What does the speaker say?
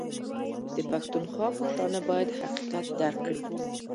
ده پښتونخوا پښتانه بايد حقيقت درک کړي